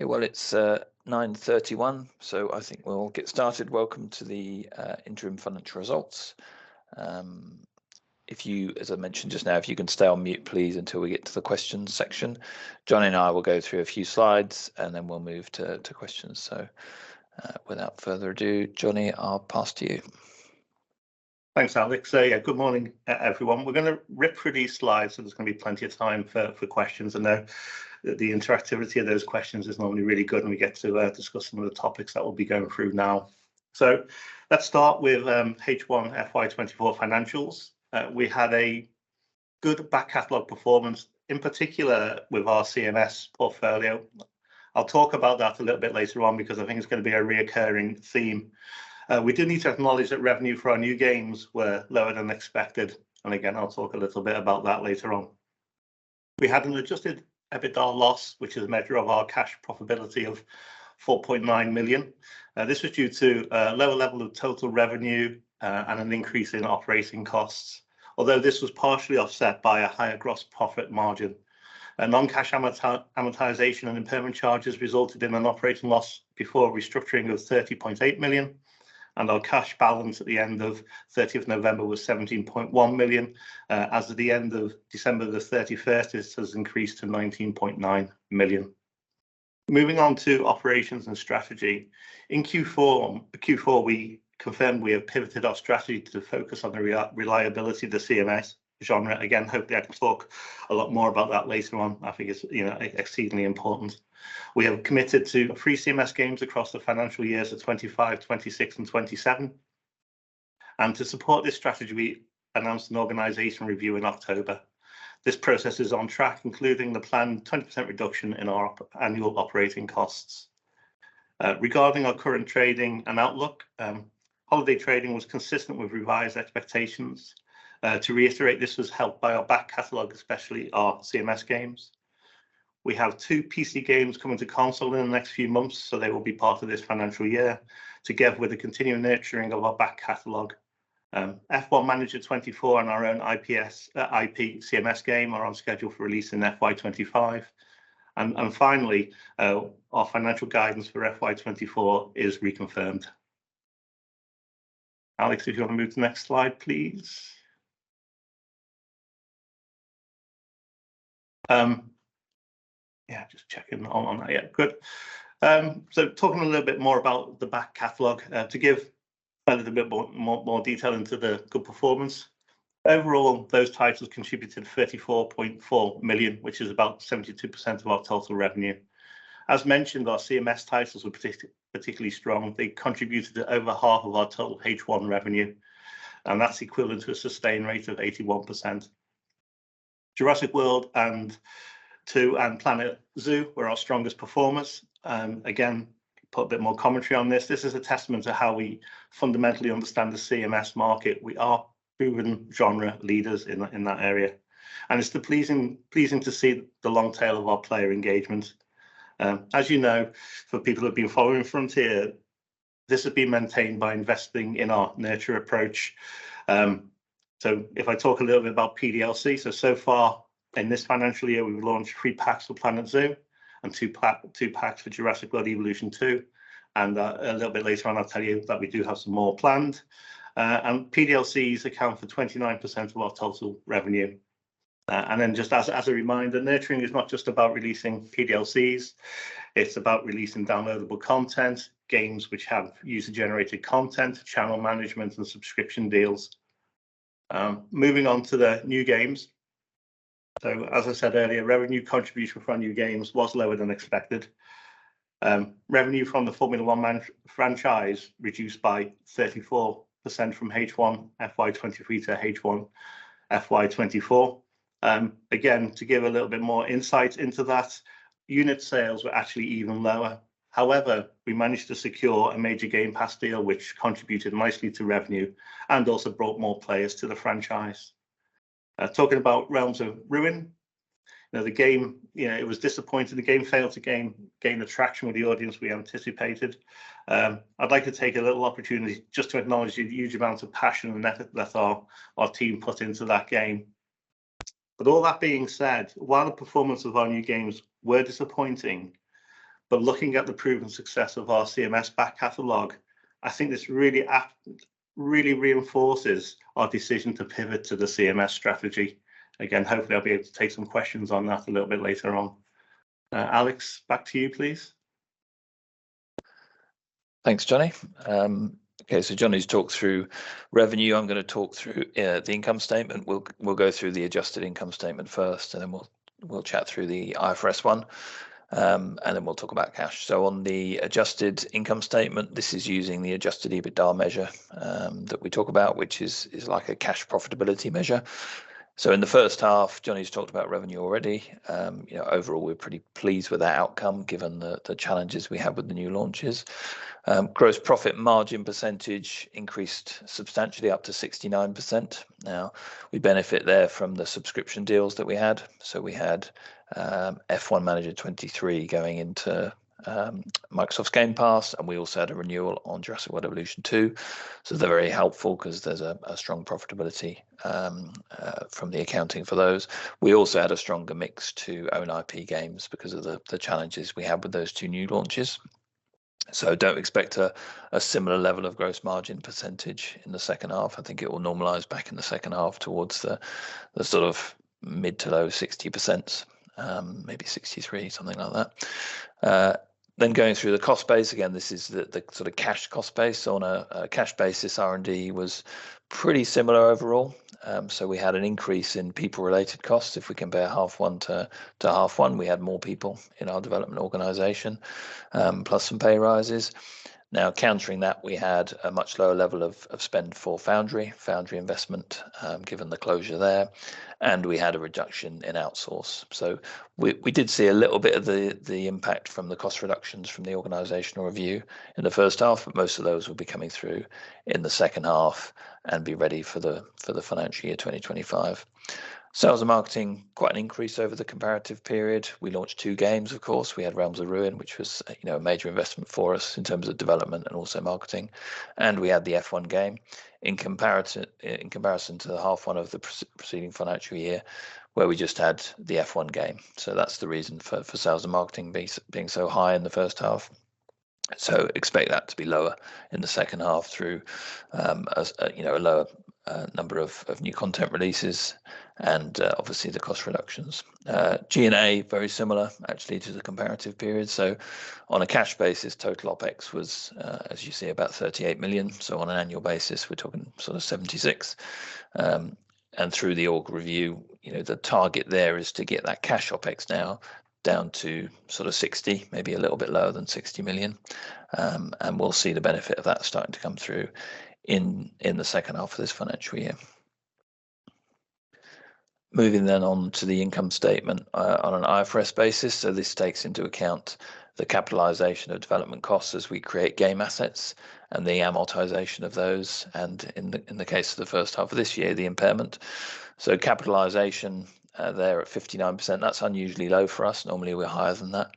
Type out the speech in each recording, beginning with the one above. Well, it's 9:31 A.M., so I think we'll get started. Welcome to the interim financial results. If you, as I mentioned just now, if you can stay on mute, please, until we get to the questions section. Jonny and I will go through a few slides, and then we'll move to questions. So, without further ado, Jonny, I'll pass to you. Thanks, Alex. So yeah, good morning, everyone. We're gonna rip through these slides, so there's gonna be plenty of time for questions. I know that the interactivity of those questions is normally really good when we get to discuss some of the topics that we'll be going through now. So let's start with H1 FY 2024 financials. We had a good back catalog performance, in particular with our CMS portfolio. I'll talk about that a little bit later on because I think it's gonna be a recurring theme. We do need to acknowledge that revenue for our new games were lower than expected, and again, I'll talk a little bit about that later on. We had an adjusted EBITDA loss, which is a measure of our cash profitability, of 4.9 million. This was due to lower level of total revenue and an increase in operating costs. Although this was partially offset by a higher gross profit margin. A non-cash amortization and impairment charges resulted in an operating loss before restructuring of 30.8 million, and our cash balance at the end of 30 November was 17.1 million. As of the end of 31 December, this has increased to 19.9 million. Moving on to operations and strategy. In Q4, we confirmed we have pivoted our strategy to focus on the reliability of the CMS genre. Again, hopefully I can talk a lot more about that later on. I think it's, you know, exceedingly important. We have committed to three CMS games across the financial years of 2025, 2026, and 2027. To support this strategy, we announced an organizational review in October. This process is on track, including the planned 20% reduction in our annual operating costs. Regarding our current trading and outlook, holiday trading was consistent with revised expectations. To reiterate, this was helped by our back catalog, especially our CMS games. We have two PC games coming to console in the next few months, so they will be part of this financial year, together with the continuing nurturing of our back catalog. F1 Manager 2024 and our own IPs, IP CMS game are on schedule for release in FY 2025. And finally, our financial guidance for FY 2024 is reconfirmed. Alex, if you wanna move to the next slide, please. Yeah, just checking on that. Yeah, good. So talking a little bit more about the back catalog, to give a little bit more detail into the good performance. Overall, those titles contributed 34.4 million, which is about 72% of our total revenue. As mentioned, our CMS titles were particularly strong. They contributed to over half of our total H1 revenue, and that's equivalent to a sustain rate of 81%. Jurassic World Evolution 2 and Planet Zoo were our strongest performers. Again, put a bit more commentary on this. This is a testament to how we fundamentally understand the CMS market. We are proven genre leaders in that area, and it's pleasing to see the long tail of our player engagement. As you know, for people who have been following Frontier, this has been maintained by investing in our nurture approach. So if I talk a little bit about PDLC, so far in this financial year, we've launched three packs for Planet Zoo and two packs for Jurassic World Evolution 2, and a little bit later on, I'll tell you that we do have some more planned. And PDLCs account for 29% of our total revenue. And then just a reminder, nurturing is not just about releasing PDLCs, it's about releasing downloadable content, games which have user-generated content, channel management, and subscription deals. Moving on to the new games. So as I said earlier, revenue contribution from our new games was lower than expected. Revenue from the Formula One Manager franchise reduced by 34% from H1 FY 2023 to H1 FY 2024. Again, to give a little bit more insight into that, unit sales were actually even lower. However, we managed to secure a major Game Pass deal, which contributed nicely to revenue and also brought more players to the franchise. Talking about Realms of Ruin, now, the game, you know, it was disappointing. The game failed to gain the traction with the audience we anticipated. I'd like to take a little opportunity just to acknowledge the huge amount of passion and effort that our team put into that game. But all that being said, while the performance of our new games were disappointing, but looking at the proven success of our CMS back catalog, I think this really reinforces our decision to pivot to the CMS strategy. Again, hopefully, I'll be able to take some questions on that a little bit later on. Alex, back to you, please. Thanks, Jonny. Okay, so Jonny's talked through revenue. I'm gonna talk through the income statement. We'll go through the adjusted income statement first, and then we'll chat through the IFRS one, and then we'll talk about cash. So on the adjusted income statement, this is using the adjusted EBITDA measure that we talk about, which is like a cash profitability measure. So in the first half, Jonny's talked about revenue already. You know, overall, we're pretty pleased with that outcome, given the challenges we have with the new launches. Gross profit margin percentage increased substantially up to 69%. Now, we benefit there from the subscription deals that we had. So we had F1 Manager 2023 going into Microsoft's Game Pass, and we also had a renewal on Jurassic World Evolution 2. So they're very helpful 'cause there's a strong profitability from the accounting for those. We also had a stronger mix to own IP games because of the challenges we had with those two new launches. So don't expect a similar level of gross margin percentage in the second half. I think it will normalize back in the second half towards the sort of mid- to low-60%, maybe 63, something like that. Then going through the cost base, again, this is the sort of cash cost base. On a cash basis, R&D was pretty similar overall. So we had an increase in people-related costs. If we compare half one to half one, we had more people in our development organization, plus some pay rises. Now, countering that, we had a much lower level of spend for Foundry investment, given the closure there, and we had a reduction in outsource. So we did see a little bit of the impact from the cost reductions from the organizational review in the first half, but most of those will be coming through in the second half and be ready for the financial year 2025. Sales and marketing, quite an increase over the comparative period. We launched two games, of course. We had Realms of Ruin, which was, you know, a major investment for us in terms of development and also marketing, and we had the F1 game. In comparison to the half one of the preceding financial year, where we just had the F1 game. So that's the reason for sales and marketing being so high in the first half. So expect that to be lower in the second half through a, you know, a lower number of new content releases and obviously the cost reductions. G&A, very similar, actually, to the comparative period. So on a cash basis, total OpEx was, as you see, about 38 million. So on an annual basis, we're talking sort of 76. And through the org review, you know, the target there is to get that cash OpEx now down to sort of 60 million, maybe a little bit lower than 60 million. And we'll see the benefit of that starting to come through in the second half of this financial year. Moving then on to the income statement, on an IFRS basis. So this takes into account the capitalization of development costs as we create game assets and the amortization of those, and in the, in the case of the first half of this year, the impairment. So capitalization there at 59%, that's unusually low for us. Normally, we're higher than that.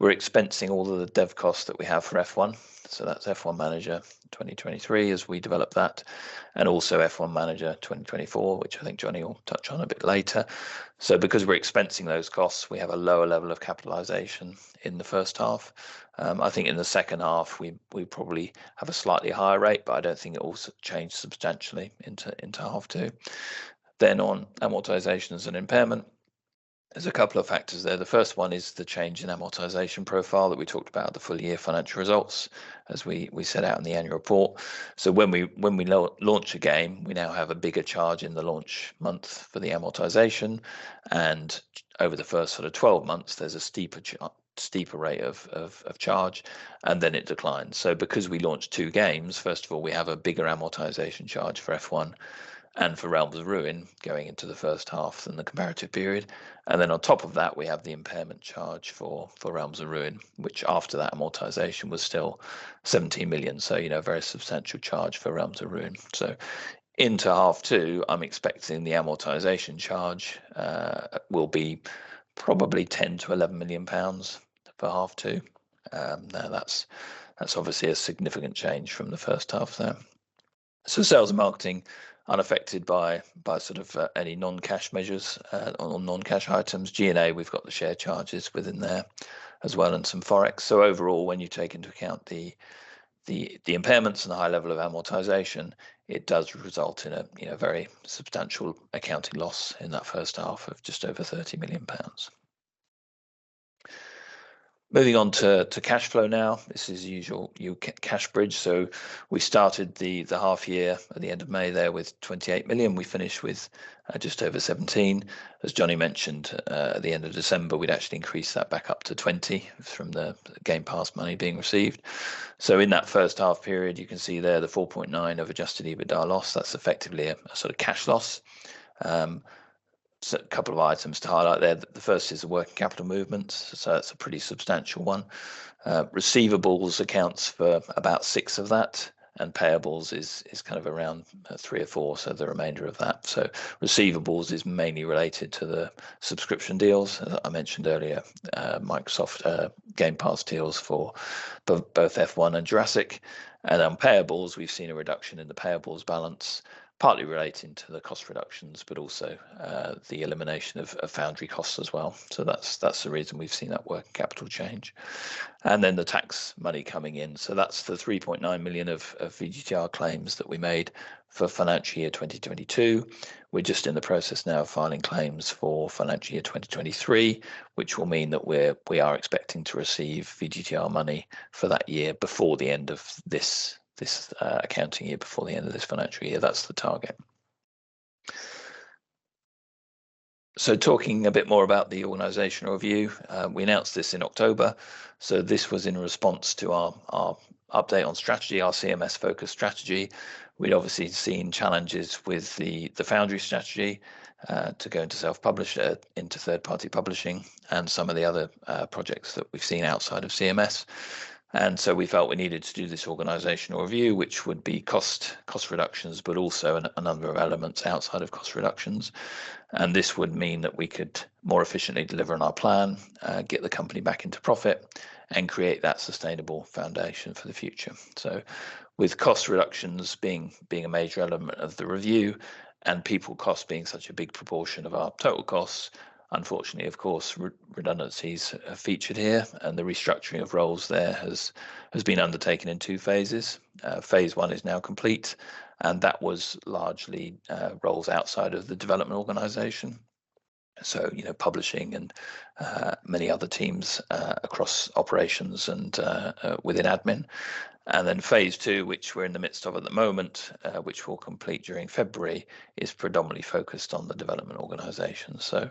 We're expensing all of the dev costs that we have for F1, so that's F1 Manager 2023, as we develop that, and also F1 Manager 2024, which I think Jonny will touch on a bit later. So because we're expensing those costs, we have a lower level of capitalization in the first half. I think in the second half, we, we probably have a slightly higher rate, but I don't think it will change substantially into, into half two. Then on amortization as an impairment, there's a couple of factors there. The first one is the change in amortization profile that we talked about, the full year financial results, as we set out in the annual report. So when we launch a game, we now have a bigger charge in the launch month for the amortization, and over the first sort of twelve months, there's a steeper charge, and then it declines. So because we launched two games, first of all, we have a bigger amortization charge for F1 and for Realms of Ruin going into the first half than the comparative period. And then on top of that, we have the impairment charge for Realms of Ruin, which after that amortization, was still 17 million. So, you know, a very substantial charge for Realms of Ruin. So into half two, I'm expecting the amortization charge will be probably 10 million to 11 million for half two. Now, that's obviously a significant change from the first half there. So sales and marketing, unaffected by sort of any non-cash measures or non-cash items. G&A, we've got the share charges within there as well, and some Forex. So overall, when you take into account the impairments and the high level of amortization, it does result in a you know, very substantial accounting loss in that first half of just over 30 million pounds. Moving on to cash flow now, this is usual, cash bridge. So we started the half year at the end of May there with 28 million. We finished with just over 17 million. As Jonny mentioned, at the end of December, we'd actually increased that back up to 20 from the Game Pass money being received. In that first half period, you can see there the 4.9 of Adjusted EBITDA loss, that's effectively a sort of cash loss. A couple of items to highlight there. The first is the working capital movement, so it's a pretty substantial one. Receivables accounts for about 6 of that, and payables is kind of around 3 or 4, so the remainder of that. Receivables is mainly related to the subscription deals that I mentioned earlier, Microsoft Game Pass deals for both F1 and Jurassic. On payables, we've seen a reduction in the payables balance, partly relating to the cost reductions, but also the elimination of Foundry costs as well. So that's the reason we've seen that working capital change. And then the tax money coming in. So that's the 3.9 million of VGTR claims that we made for financial year 2022. We're just in the process now of filing claims for financial year 2023, which will mean that we are expecting to receive VGTR money for that year before the end of this accounting year, before the end of this financial year. That's the target. So talking a bit more about the organizational review, we announced this in October. So this was in response to our update on strategy, our CMS-focused strategy. We'd obviously seen challenges with the foundry strategy to go into self-publishing, into third-party publishing, and some of the other projects that we've seen outside of CMS. So we felt we needed to do this organizational review, which would be cost reductions, but also a number of elements outside of cost reductions. And this would mean that we could more efficiently deliver on our plan, get the company back into profit, and create that sustainable foundation for the future. So with cost reductions being a major element of the review, and people cost being such a big proportion of our total costs, unfortunately, of course, redundancies are featured here, and the restructuring of roles there has been undertaken in two phases. Phase one is now complete, and that was largely roles outside of the development organization. So, you know, publishing and many other teams across operations and within admin. Then phase two, which we're in the midst of at the moment, which we'll complete during February, is predominantly focused on the development organization. So,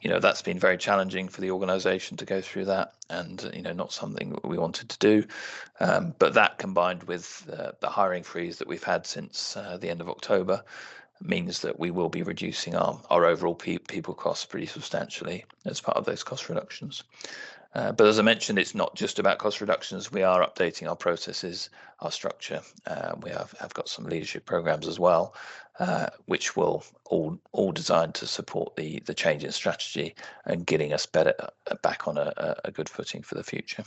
you know, that's been very challenging for the organization to go through that and, you know, not something we wanted to do. But that combined with the hiring freeze that we've had since the end of October, means that we will be reducing our overall people costs pretty substantially as part of those cost reductions. But as I mentioned, it's not just about cost reductions. We are updating our processes, our structure. We have got some leadership programs as well, which will all designed to support the change in strategy and getting us better back on a good footing for the future.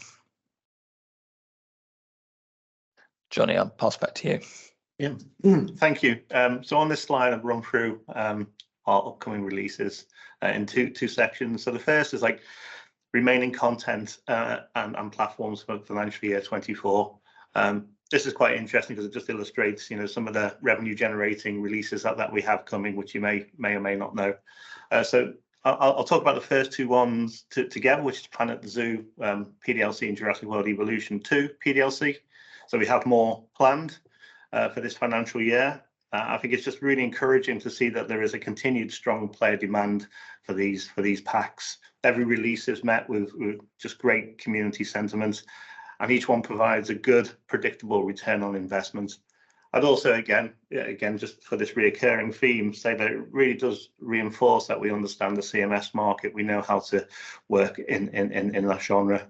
Jonny, I'll pass back to you. Yeah. Thank you. So on this slide, I've run through our upcoming releases in two sections. So the first is, like, remaining content and platforms for financial year 2024. This is quite interesting because it just illustrates, you know, some of the revenue-generating releases that we have coming, which you may or may not know. So I'll talk about the first two ones together, which is Planet Zoo PDLC and Jurassic World Evolution 2 PDLC. So we have more planned for this financial year. I think it's just really encouraging to see that there is a continued strong player demand for these packs. Every release is met with just great community sentiments, and each one provides a good, predictable return on investment. I'd also again just for this recurring theme say that it really does reinforce that we understand the CMS market. We know how to work in that genre.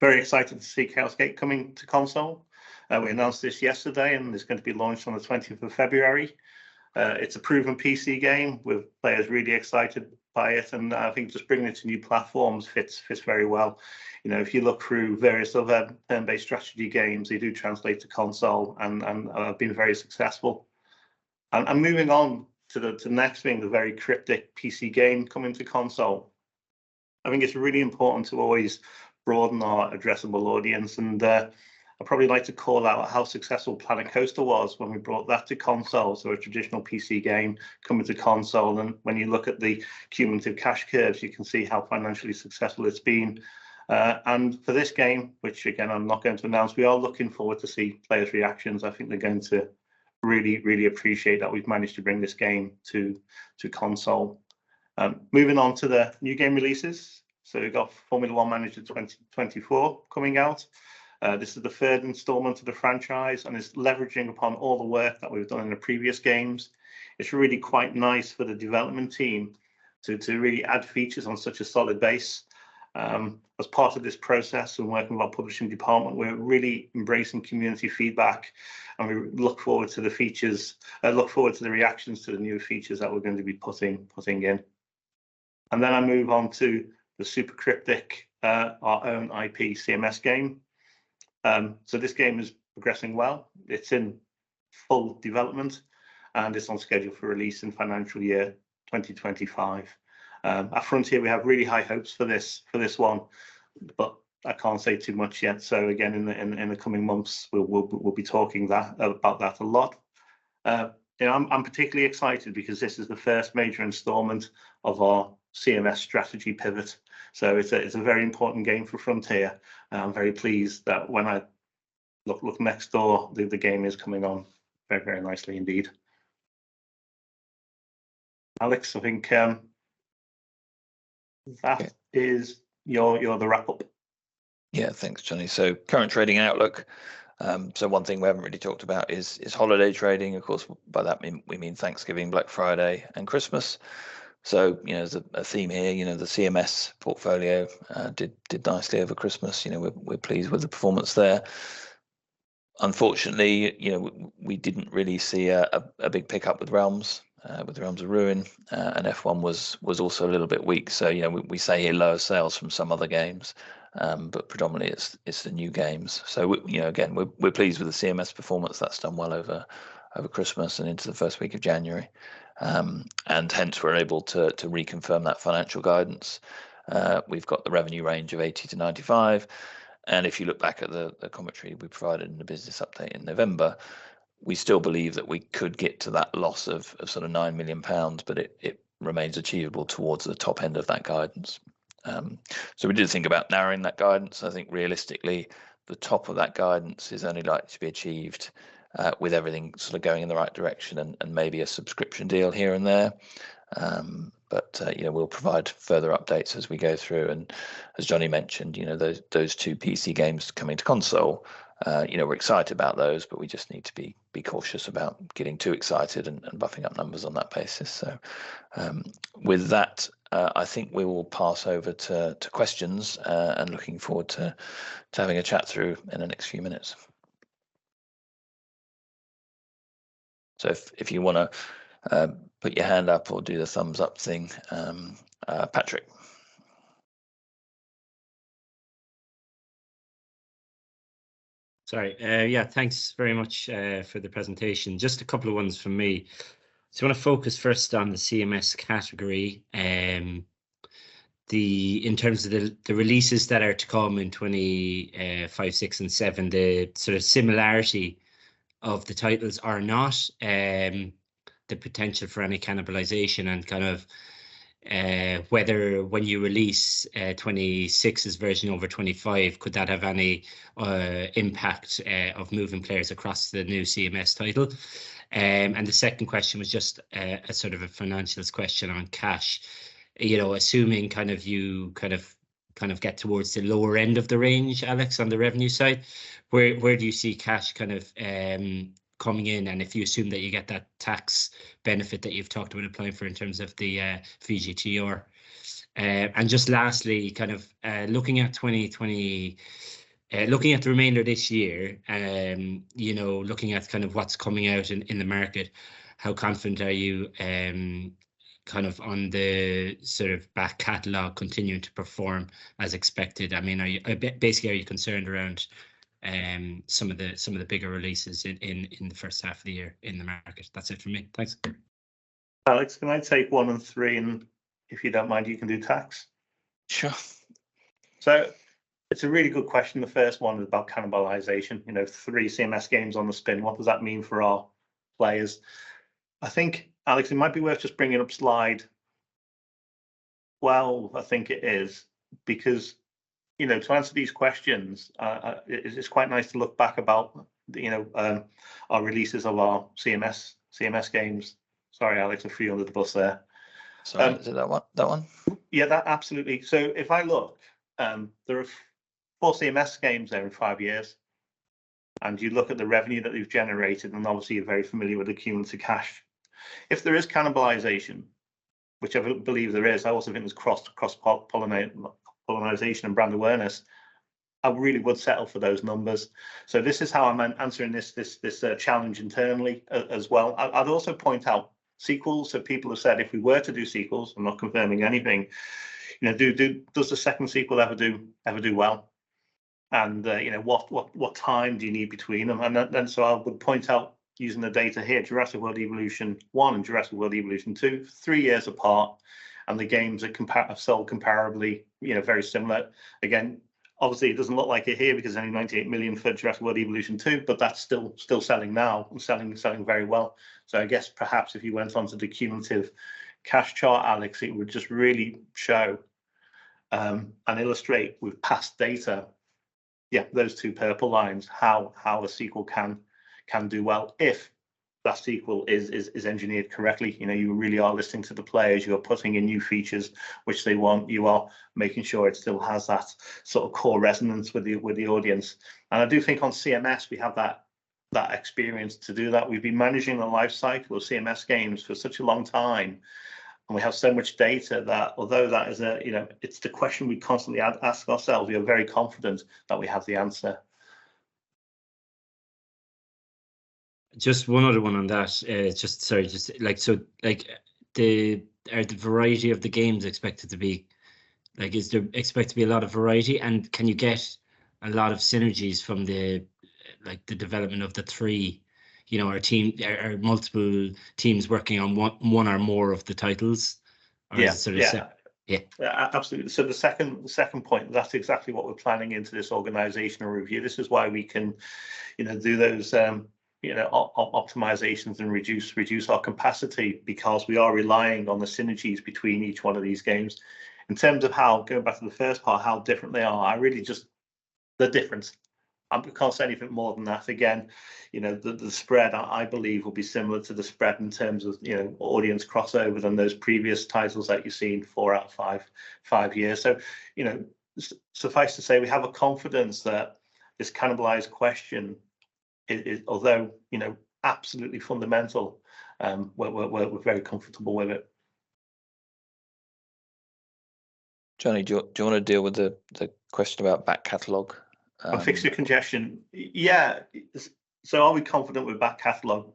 Very excited to see Gate coming to console. We announced this yesterday, and it's going to be launched on the twentieth of February. It's a proven PC game, with players really excited by it, and I think just bringing it to new platforms fits very well. You know, if you look through various other turn-based strategy games, they do translate to console and been very successful. And moving on to the next thing, the very cryptic PC game coming to console. I think it's really important to always broaden our addressable audience, and I'd probably like to call out how successful Planet Coaster was when we brought that to console, so a traditional PC game coming to console. And when you look at the cumulative cash curves, you can see how financially successful it's been. And for this game, which again, I'm not going to announce, we are looking forward to see players' reactions. I think they're going to really, really appreciate that we've managed to bring this game to console. Moving on to the new game releases, so we've got Formula One Manager 2024 coming out. This is the third installment of the franchise and is leveraging upon all the work that we've done in the previous games. It's really quite nice for the development team to really add features on such a solid base. As part of this process and working with our publishing department, we're really embracing community feedback, and we look forward to the reactions to the new features that we're going to be putting in. Then I move on to the super cryptic, our own IP CMS game. So this game is progressing well. It's in full development, and it's on schedule for release in financial year 2025. At Frontier, we have really high hopes for this one, but I can't say too much yet. So again, in the coming months, we'll be talking about that a lot. And I'm particularly excited because this is the first major installment of our CMS strategy pivot, so it's a very important game for Frontier. And I'm very pleased that when I look next door, the game is coming on very nicely indeed. Alex, I think that is your Yeah. You're the wrap-up. Yeah. Thanks, Jonny. So current trading outlook. So one thing we haven't really talked about is holiday trading. Of course, by that, we mean Thanksgiving, Black Friday, and Christmas. So, you know, there's a theme here. You know, the CMS portfolio did nicely over Christmas. You know, we're pleased with the performance there. Unfortunately, you know, we didn't really see a big pick-up with Realms of Ruin, and F1 was also a little bit weak. So, you know, we say lower sales from some other games, but predominantly it's the new games. So we you know, again, we're pleased with the CMS performance. That's done well over Christmas and into the first week of January. And hence, we're able to reconfirm that financial guidance. We've got the revenue range of 80-95 million, and if you look back at the commentary we provided in the business update in November, we still believe that we could get to that loss of sort of 9 million pounds, but it remains achievable towards the top end of that guidance. So we did think about narrowing that guidance. I think realistically, the top of that guidance is only likely to be achieved with everything sort of going in the right direction and maybe a subscription deal here and there. But you know, we'll provide further updates as we go through. And as Jonny mentioned, you know, those two PC games coming to console, you know, we're excited about those, but we just need to be cautious about getting too excited and buffing up numbers on that basis. So, with that, I think we will pass over to questions, and looking forward to having a chat through in the next few minutes. So if you wanna put your hand up or do the thumbs-up thing, Patrick? Sorry, yeah, thanks very much for the presentation. Just a couple of ones from me. So I want to focus first on the CMS category, and in terms of the releases that are to come in 2025, 2026, and 2027, the sort of similarity of the titles are not the potential for any cannibalization and kind of whether when you release 2026's version over 2025, could that have any impact of moving players across the new CMS title? And the second question was just a sort of a financials question on cash. You know, assuming kind of you get towards the lower end of the range, Alex, on the revenue side, where do you see cash kind of coming in, and if you assume that you get that tax benefit that you've talked about applying for in terms of the VGTR? And just lastly, kind of looking at 2020, looking at the remainder of this year, you know, looking at kind of what's coming out in the market, how confident are you kind of on the sort of back catalog continuing to perform as expected? I mean, are you basically concerned around some of the bigger releases in the first half of the year in the market? That's it for me. Thanks. Alex, can I take one and three, and if you don't mind, you can do tax? Sure. So it's a really good question, the first one about cannibalization, you know, three CMS games on the spin, what does that mean for our players? I think, Alex, it might be worth just bringing up slide 12, I think it is. Because, you know, to answer these questions, it's quite nice to look back about, you know, our releases of our CMS, CMS games. Sorry, Alex, I threw you under the bus there. Sorry, is it that one? That one? Yeah, that. Absolutely. So if I look, there are four CMS games there in five years, and you look at the revenue that we've generated, and obviously you're very familiar with accumulative cash. If there is cannibalization, which I believe there is, I also think there's cross-pollination and brand awareness. I really would settle for those numbers. So this is how I'm answering this challenge internally as well. I'd also point out sequels, so people have said if we were to do sequels. I'm not confirming anything, you know, does the second sequel ever do well? And, you know, what time do you need between them? I would point out, using the data here, Jurassic World Evolution One and Jurassic World Evolution Two, three years apart, and the games have sold comparably, you know, very similar. Again, obviously it doesn't look like it here because only 98 million for Jurassic World Evolution Two, but that's still selling now and selling very well. So I guess perhaps if you went onto the cumulative cash chart, Alex, it would just really show and illustrate with past data, yeah, those two purple lines, how a sequel can do well, if that sequel is engineered correctly. You know, you really are listening to the players, you are putting in new features which they want. You are making sure it still has that sort of core resonance with the audience. I do think on CMS, we have that experience to do that. We've been managing the life cycle of CMS games for such a long time, and we have so much data that although that is a, you know it's the question we constantly ask ourselves, we are very confident that we have the answer. Just one other one on that. Just, sorry, just, like, so, like, are the variety of the games expected to be? Like, is there expected to be a lot of variety, and can you get a lot of synergies from the, like, the development of the three, you know, or teams or multiple teams working on one or more of the titles? Yeah. Or is it sort of Yeah. Yeah. Absolutely. So the second point, that's exactly what we're planning into this organizational review. This is why we can, you know, do those, you know, optimizations and reduce our capacity, because we are relying on the synergies between each one of these games. In terms of how, going back to the first part, how different they are, I really just the difference, I can't say anything more than that. Again, you know, the spread, I believe will be similar to the spread in terms of, you know, audience crossover than those previous titles that you've seen four out of five, five years. So, you know, suffice to say, we have a confidence that this cannibalized question is, although, you know, absolutely fundamental, we're very comfortable with it. Jonny, do you wanna deal with the question about back catalog? On fixing congestion? Yeah, so are we confident with back catalog?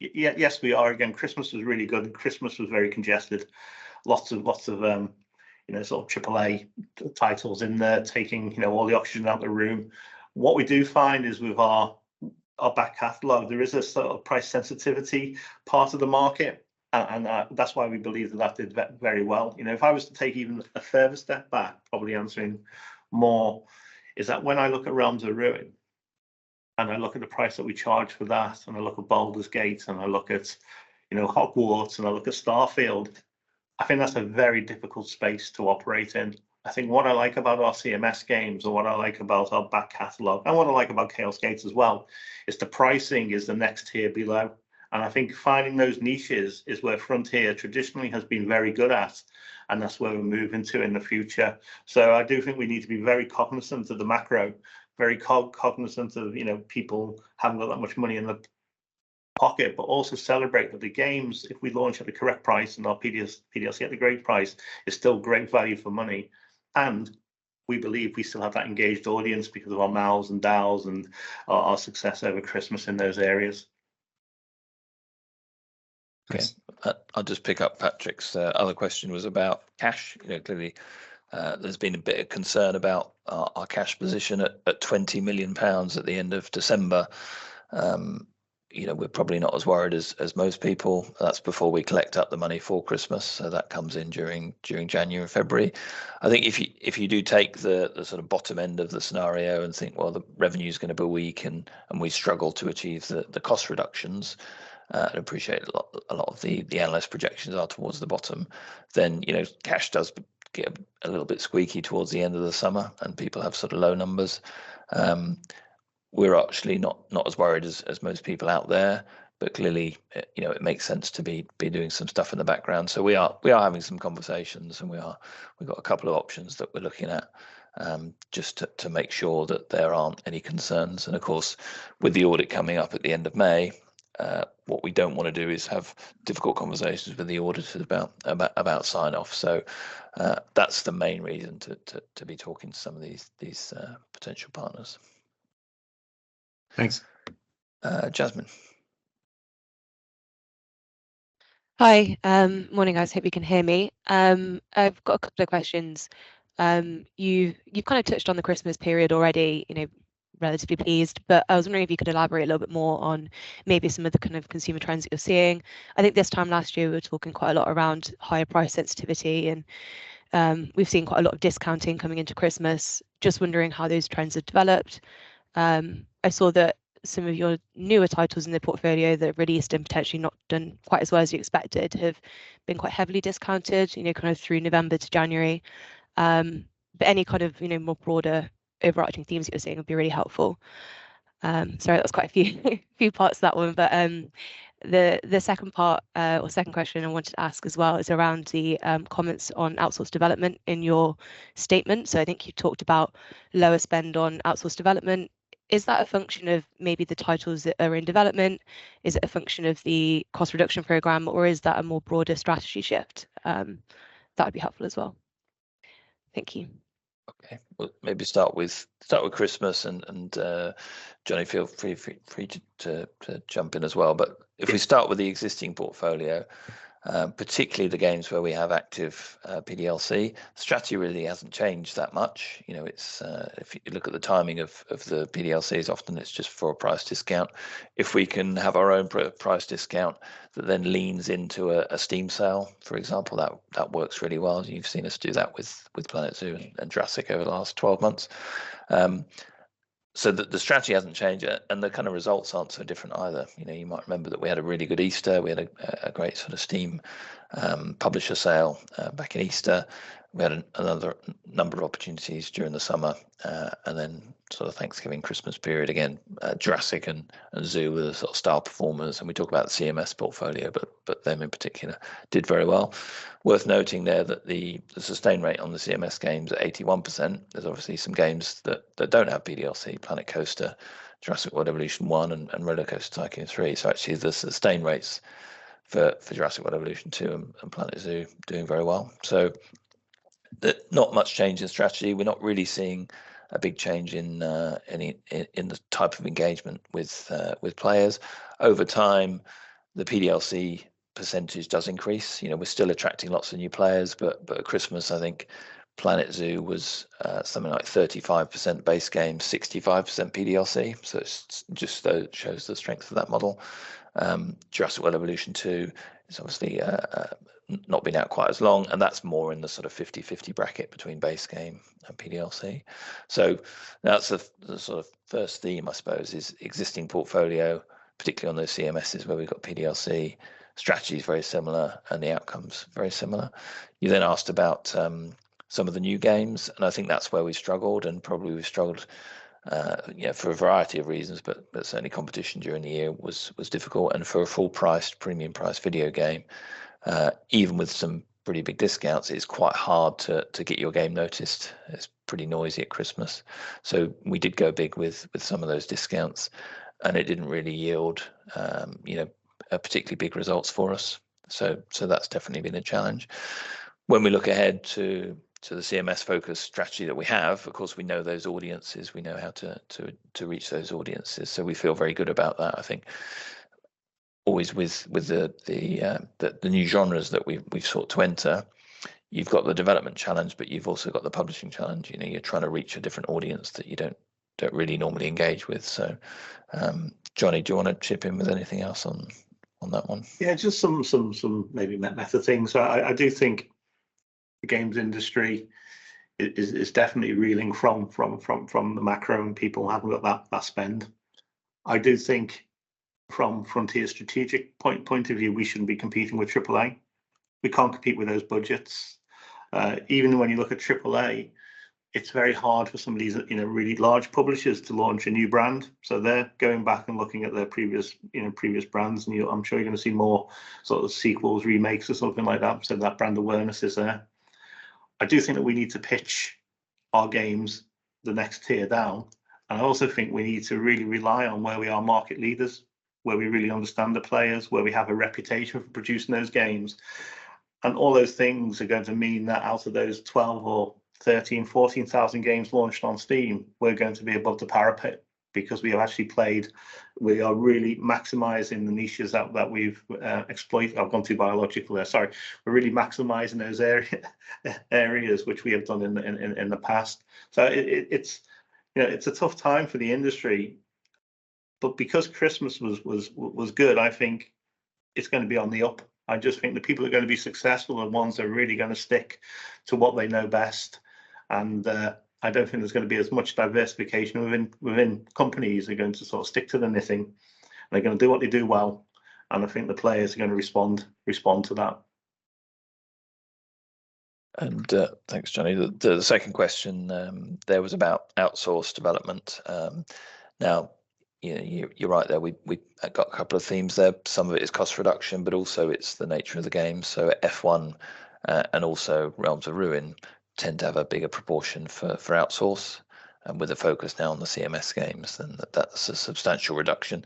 Yes, we are. Again, Christmas was really good. Christmas was very congested. Lots of, you know, sort of AAA titles in there, taking, you know, all the oxygen out the room. What we do find is with our back catalog, there is a sort of price sensitivity part of the market, and that's why we believe that that did very well. You know, if I was to take even a further step back, probably answering more, is that when I look at Realms of Ruin, and I look at the price that we charged for that, and I look at Baldur's Gate, and I look at, you know, Hogwarts, and I look at Starfield, I think that's a very difficult space to operate in. I think what I like about our CMS games, or what I like about our back catalog, and what I like about Chaos Gate as well, is the pricing is the next tier below, and I think finding those niches is where Frontier traditionally has been very good at, and that's where we're moving to in the future. So I do think we need to be very cognizant of the macro, very cognizant of, you know, people haven't got that much money in their pocket, but also celebrate that the games, if we launch at the correct price, and our PDS, PDLC at the great price, is still great value for money. And we believe we still have that engaged audience because of our MAUs and DAUs and our, our success over Christmas in those areas. Okay. I'll just pick up Patrick's other question was about cash. You know, clearly, there's been a bit of concern about our cash position at 20 million pounds at the end of December. You know, we're probably not as worried as most people. That's before we collect up the money for Christmas, so that comes in during January and February. I think if you do take the sort of bottom end of the scenario and think, well, the revenue's gonna be weak, and we struggle to achieve the cost reductions, and appreciate a lot of the analyst projections are towards the bottom, then, you know, cash does get a little bit squeaky towards the end of the summer, and people have sort of low numbers. We're actually not as worried as most people out there, but clearly, you know, it makes sense to be doing some stuff in the background. So we are having some conversations, and we've got a couple of options that we're looking at, just to make sure that there aren't any concerns. And of course, with the audit coming up at the end of May, what we don't wanna do is have difficult conversations with the auditors about sign-off. So, that's the main reason to be talking to some of these potential partners. Thanks. Uh, Jasmine? Hi, morning, guys. Hope you can hear me. I've got a couple of questions. You, you've kinda touched on the Christmas period already, you know, relatively pleased, but I was wondering if you could elaborate a little bit more on maybe some of the kind of consumer trends that you're seeing. I think this time last year, we were talking quite a lot around higher price sensitivity, and, we've seen quite a lot of discounting coming into Christmas. Just wondering how those trends have developed. I saw that some of your newer titles in the portfolio that have released and potentially not done quite as well as you expected, have been quite heavily discounted, you know, kind of through November to January. But any kind of, you know, more broader, overarching themes you were saying would be really helpful. Sorry, that was quite a few parts to that one, but the second part, or second question I wanted to ask as well, is around the comments on outsourced development in your statement. So I think you talked about lower spend on outsourced development. Is that a function of maybe the titles that are in development? Is it a function of the cost reduction program, or is that a more broader strategy shift? That would be helpful as well. Thank you. Okay. Well, maybe start with Christmas and, and, Jonny, feel free to jump in as well. But if we start with the existing portfolio, particularly the games where we have active PDLC, strategy really hasn't changed that much. You know, it's if you look at the timing of the PDLCs, often it's just for a price discount. If we can have our own price discount, that then leans into a Steam sale, for example, that works really well, and you've seen us do that with Planet Zoo and Jurassic over the last 12 months. So the strategy hasn't changed, and the kinda results aren't so different either. You know, you might remember that we had a really good Easter. We had a great sort of Steam publisher sale back in Easter. We had another number of opportunities during the summer and then sort of Thanksgiving, Christmas period. Again, Jurassic and Zoo were the sort of star performers, and we talk about the CMS portfolio, but them in particular did very well. Worth noting there that the sustain rate on the CMS games are 81%. There's obviously some games that don't have PDLC, Planet Coaster, Jurassic World Evolution 1, and RollerCoaster Tycoon 3. So actually, the sustain rates for Jurassic World Evolution 2 and Planet Zoo are doing very well. So not much change in strategy. We're not really seeing a big change in any in the type of engagement with with players. Over time, the PDLC percentage does increase. You know, we're still attracting lots of new players, but at Christmas, I think Planet Zoo was something like 35% base game, 65% PDLC. So it's just shows the strength of that model. Jurassic World Evolution 2 is obviously not been out quite as long, and that's more in the sort of 50/50 bracket between base game and PDLC. So that's the sort of first theme, I suppose, is existing portfolio, particularly on those CMSes where we've got PDLC. Strategy is very similar and the outcomes very similar. You then asked about some of the new games, and I think that's where we struggled, and probably we struggled, you know, for a variety of reasons, but certainly competition during the year was difficult. For a full-priced, premium-priced video game, even with some pretty big discounts, it's quite hard to get your game noticed. It's pretty noisy at Christmas, so we did go big with some of those discounts, and it didn't really yield, you know, a particularly big results for us. That's definitely been a challenge. When we look ahead to the CMS-focused strategy that we have, of course, we know those audiences, we know how to reach those audiences, so we feel very good about that. I think always with the new genres that we've sought to enter, you've got the development challenge, but you've also got the publishing challenge. You know, you're trying to reach a different audience that you don't really normally engage with. So, Jonny, do you wanna chip in with anything else on that one? Yeah, just some method things. So I do think the games industry is definitely reeling from the macro, and people haven't got that spend. I do think from Frontier's strategic point of view, we shouldn't be competing with Triple-A. We can't compete with those budgets. Even when you look at Triple-A, it's very hard for some of these, you know, really large publishers to launch a new brand, so they're going back and looking at their previous, you know, previous brands. And you I'm sure you're gonna see more sort of sequels, remakes, or something like that, so that brand awareness is there. I do think that we need to pitch our games the next tier down, and I also think we need to really rely on where we are market leaders, where we really understand the players, where we have a reputation for producing those games. And all those things are going to mean that out of those 12 or 13, 14,000 games launched on Steam, we're going to be above the parapet because we have actually played, we are really maximizing the niches that we've exploited. I've gone too biological there, sorry. We're really maximizing those areas which we have done in the past. So it's, you know, it's a tough time for the industry, but because Christmas was good, I think it's gonna be on the up. I just think the people who are gonna be successful are the ones that are really gonna stick to what they know best, and I don't think there's gonna be as much diversification within companies. They're going to sort of stick to their knitting, and they're gonna do what they do well, and I think the players are gonna respond to that. And thanks, Jonny. The second question there was about outsourced development. Now, you know, you're right there, we have got a couple of themes there. Some of it is cost reduction, but also it's the nature of the game. So F1 and also Realms of Ruin tend to have a bigger proportion for outsource, and with a focus now on the CMS games, then that's a substantial reduction.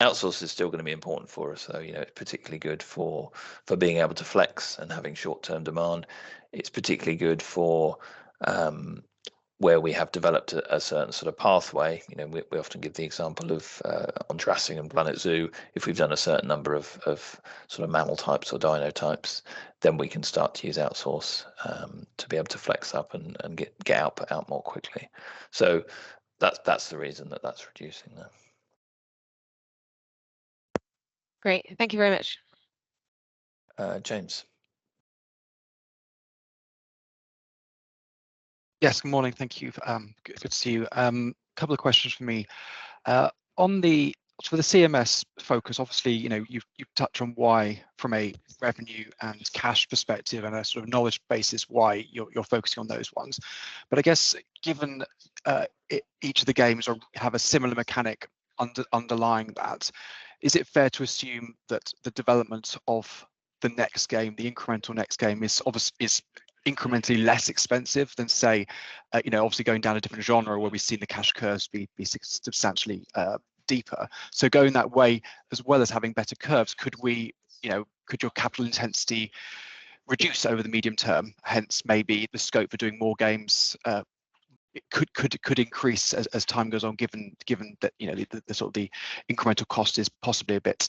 Outsource is still gonna be important for us, so you know, it's particularly good for being able to flex and having short-term demand. It's particularly good for where we have developed a certain sort of pathway. You know, we often give the example of on Jurassic and Planet Zoo, if we've done a certain number of sort of mammal types or dino types, then we can start to use outsource to be able to flex up and get output out more quickly. So that's the reason that's reducing that. Great. Thank you very much. Uh, James? Yes, good morning, thank you. Good to see you. Couple of questions from me. For the CMS focus, obviously, you know, you've touched on why from a revenue and cash perspective and a sort of knowledge base is why you're focusing on those ones. But I guess given each of the games have a similar mechanic underlying that, is it fair to assume that the development of the next game, the incremental next game, is incrementally less expensive than, say, you know, obviously going down a different genre where we've seen the cash curves be substantially deeper? So going that way, as well as having better curves, you know, could your capital intensity reduce over the medium term, hence maybe the scope for doing more games? It could increase as time goes on, given that, you know, the incremental cost is possibly a bit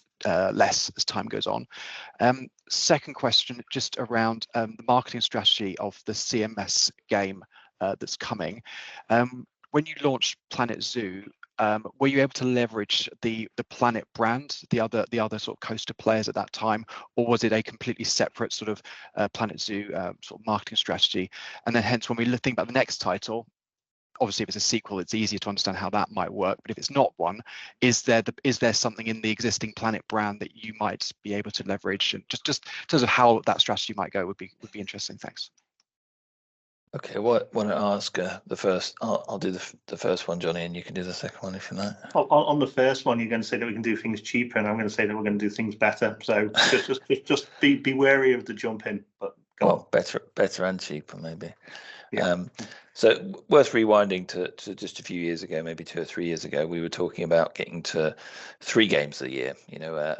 less as time goes on. Second question, just around the marketing strategy of the CMS game that's coming. When you launched Planet Zoo, were you able to leverage the Planet brand, the other sort of Coaster players at that time, or was it a completely separate sort of Planet Zoo sort of marketing strategy? And then hence, when we think about the next title, obviously if it's a sequel, it's easier to understand how that might work, but if it's not one, is there something in the existing Planet brand that you might be able to leverage? Just in terms of how that strategy might go would be interesting. Thanks. Okay, why don't I ask the first one? I'll do the first one, Jonny, and you can do the second one if you like. On the first one, you're gonna say that we can do things cheaper, and I'm gonna say that we're gonna do things better. So just be wary of the jump in, but go on. Well, better, better and cheaper maybe. Yeah. So worth rewinding to just a few years ago, maybe 2 or 3 years ago, we were talking about getting to 3 games a year. You know,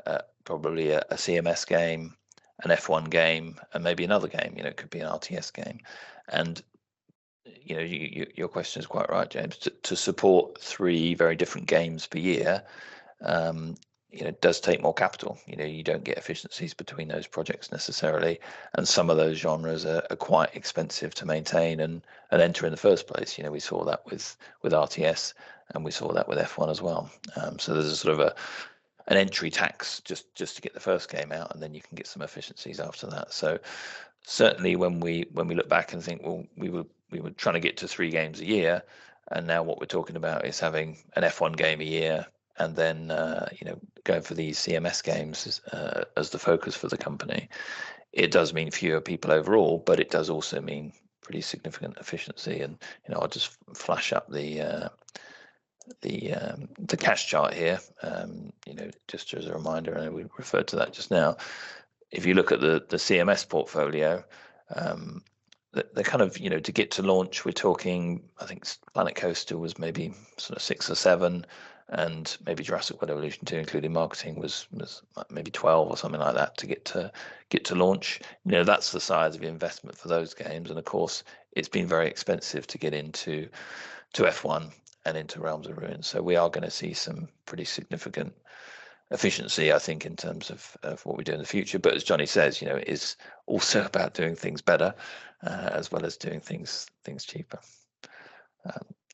probably a CMS game, an F1 game, and maybe another game. You know, it could be an RTS game. And, you know, your question is quite right, James. To support 3 very different games per year, you know, does take more capital. You know, you don't get efficiencies between those projects necessarily, and some of those genres are quite expensive to maintain and enter in the first place. You know, we saw that with RTS, and we saw that with F1 as well. So there's a sort of an entry tax just to get the first game out, and then you can get some efficiencies after that. So certainly when we look back and think, well, we were trying to get to three games a year, and now what we're talking about is having an F1 game a year and then, you know, going for the CMS games as the focus for the company. It does mean fewer people overall, but it does also mean pretty significant efficiency, and, you know, I'll just flash up the cash chart here. You know, just as a reminder, I know we referred to that just now. If you look at the CMS portfolio, the kind of, you know. To get to launch, we're talking, I think Planet Coaster was maybe sort of 6 or 7, and maybe Jurassic World Evolution 2, including marketing, was maybe 12 or something like that to get to launch. You know, that's the size of the investment for those games, and of course, it's been very expensive to get into F1 and into Realms of Ruin. So we are gonna see some pretty significant efficiency, I think, in terms of what we do in the future. But as Jonny says, you know, it's also about doing things better as well as doing things cheaper.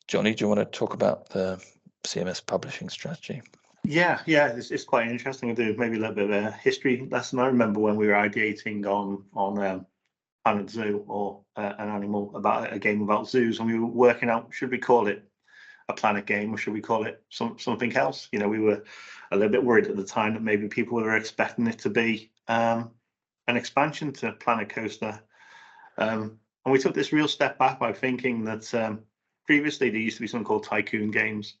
Jonny, do you wanna talk about the CMS publishing strategy? Yeah, yeah, it's, it's quite interesting to do. Maybe a little bit of a history lesson. I remember when we were ideating on Planet Zoo or an animal about a game about zoos, and we were working out, should we call it a Planet game, or should we call it something else? You know, we were a little bit worried at the time that maybe people were expecting it to be an expansion to Planet Coaster. And we took this real step back by thinking that previously there used to be something called tycoon games,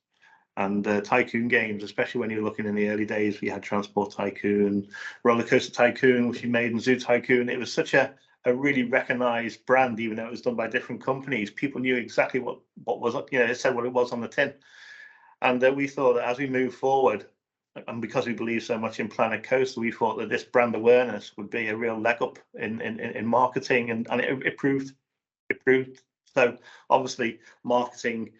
and tycoon games, especially when you're looking in the early days, we had Transport Tycoon, RollerCoaster Tycoon, which we made, and Zoo Tycoon. It was such a really recognized brand, even though it was done by different companies. People knew exactly what was up. You know, it said what it was on the tin. And then we thought that as we move forward, and because we believe so much in Planet Coaster, we thought that this brand awareness would be a real leg up in marketing, and it proved. So obviously, marketing,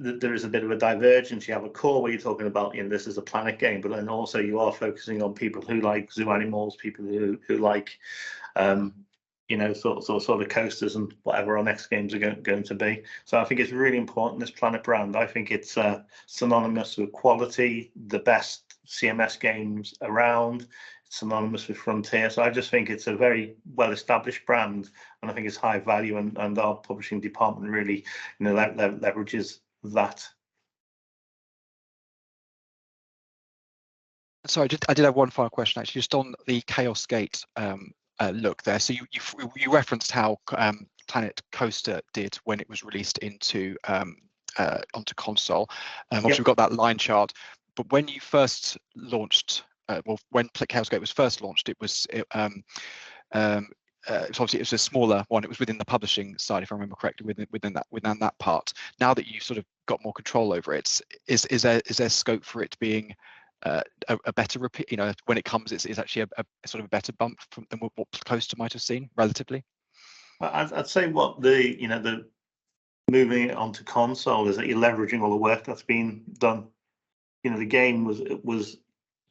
there is a bit of a divergence. You have a core where you're talking about, you know, this is a Planet game, but then also you are focusing on people who like zoo animals, people who like you know, sort of Coasters and whatever our next games are going to be. So I think it's really important, this Planet brand. I think it's synonymous with quality, the best CMS games around. It's synonymous with Frontier. So I just think it's a very well-established brand, and I think it's high value, and our publishing department really, you know, leverages that. Sorry, just I did have one final question, actually, just on the Chaos Gate, look there. So you referenced how onto console. Yeah. Obviously, we've got that line chart, but when you first launched, well, when Chaos Gate was first launched, it was obviously a smaller one. It was within the publishing side, if I remember correctly, within that part. Now that you've sort of got more control over it, is there scope for it being a better rep- you know, when it comes, it's actually a sort of a better bump from than what Coaster might have seen, relatively? I'd say what the, you know, the moving it onto console is that you're leveraging all the work that's been done. You know, the game was, it was-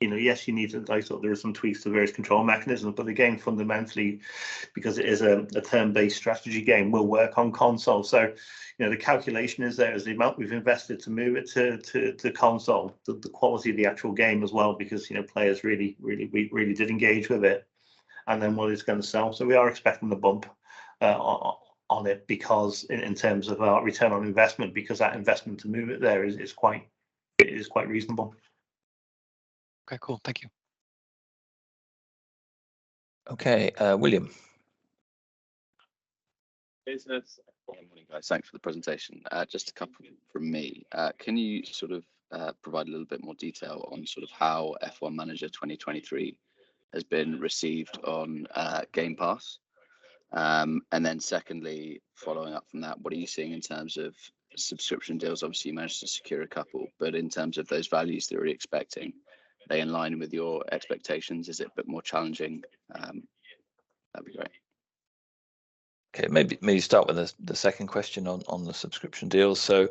you know, yes, you need to I thought there were some tweaks to the various control mechanisms, but the game fundamentally, because it is a, a turn-based strategy game, will work on console. So, you know, the calculation is there, is the amount we've invested to move it to console, the quality of the actual game as well, because, you know, players really, really, really did engage with it, and then what it's gonna sell. So we are expecting a bump on it, because in terms of our return on investment, because that investment to move it there is quite, it is quite reasonable. Okay, cool. Thank you. Okay, William? Business. Good morning, guys. Thanks for the presentation. Just a couple from me. Can you sort of provide a little bit more detail on sort of how F1 Manager 2023 has been received on Game Pass? And then secondly, following up from that, what are you seeing in terms of subscription deals? Obviously, you managed to secure a couple, but in terms of those values that we're expecting, are they in line with your expectations, is it a bit more challenging? That'd be great. Okay, maybe start with the second question on the subscription deals. So,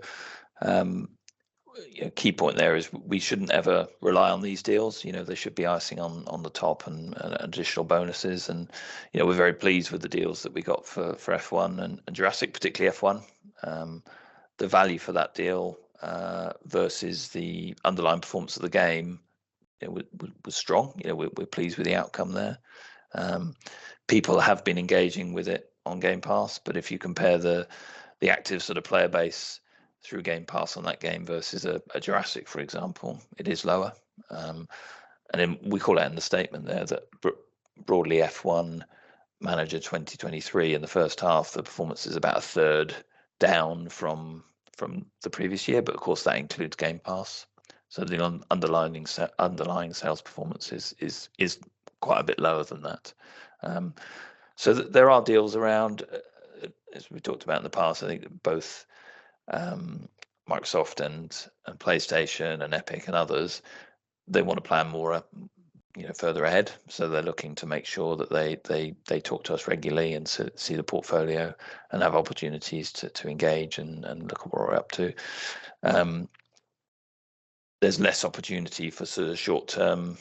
key point there is we shouldn't ever rely on these deals. You know, they should be icing on the top and additional bonuses and, you know, we're very pleased with the deals that we got for F1 and Jurassic, particularly F1. The value for that deal versus the underlying performance of the game, it was strong. You know, we're pleased with the outcome there. People have been engaging with it on Game Pass, but if you compare the active sort of player base through Game Pass on that game versus a Jurassic, for example, it is lower. And then we call out in the statement there that broadly, F1 Manager 2023, in the first half, the performance is about a third down from the previous year, but of course, that includes Game Pass. So the underlying sales performance is quite a bit lower than that. So there are deals around, as we talked about in the past, I think both Microsoft and PlayStation and Epic and others, they wanna plan more, you know, further ahead. So they're looking to make sure that they talk to us regularly and see the portfolio and have opportunities to engage and look what we're up to. There's less opportunity for sort of short-term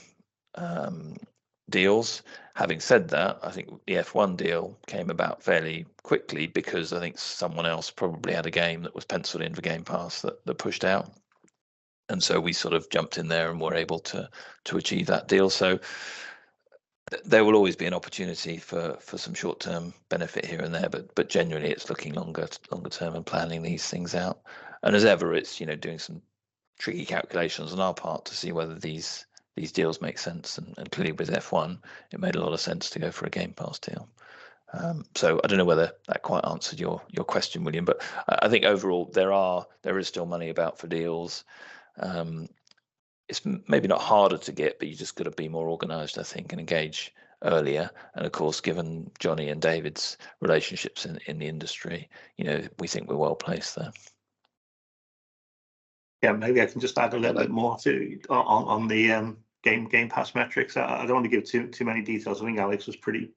deals. Having said that, I think the F1 deal came about fairly quickly, because I think someone else probably had a game that was penciled in for Game Pass that pushed out. And so we sort of jumped in there and were able to achieve that deal. So there will always be an opportunity for some short-term benefit here and there, but generally, it's looking longer term and planning these things out. And as ever, it's you know, doing some tricky calculations on our part to see whether these deals make sense, and clearly with F1, it made a lot of sense to go for a Game Pass deal. So I don't know whether that quite answered your question, William, but I think overall, there is still money about for deals. It's maybe not harder to get, but you just gotta be more organized, I think, and engage earlier. And of course, given Jonny and David's relationships in the industry, you know, we think we're well placed there. Yeah, maybe I can just add a little bit more to the Game Pass metrics. I don't want to give too many details. I think Alex was pretty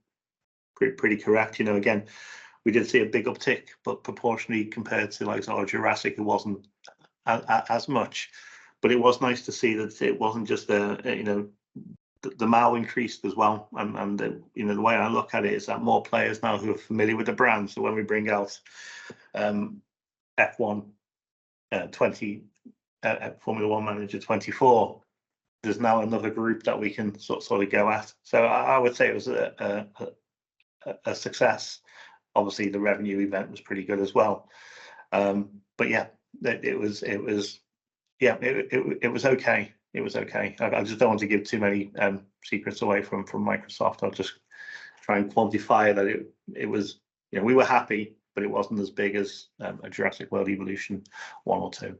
correct. You know, again, we did see a big uptick, but proportionally, compared to like sort of Jurassic, it wasn't as much. But it was nice to see that it wasn't just a you know. The MAU increased as well, and you know, the way I look at it is that more players now who are familiar with the brand, so when we bring out F1 Manager 2024, there's now another group that we can sort of go at. So I would say it was a success. Obviously, the revenue event was pretty good as well. But yeah, it was okay. It was okay. I just don't want to give too many secrets away from Microsoft. I'll just try and quantify that it was you know, we were happy, but it wasn't as big as a Jurassic World Evolution, one or two.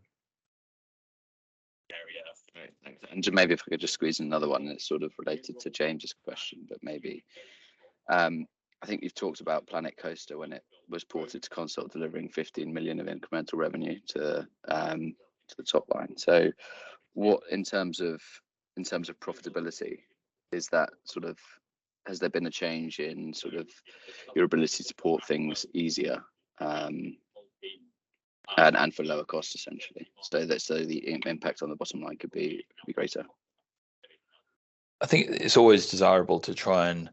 Yeah, yeah. Thanks. And maybe if I could just squeeze in another one that's sort of related to James' question, but maybe. I think you've talked about Planet Coaster when it was ported to console, delivering 15 million of incremental revenue to the top line. So what, in terms of profitability, is that - has there been a change in sort of your ability to support things easier? And for lower costs essentially. So that, so the impact on the bottom line could be greater. I think it's always desirable to try and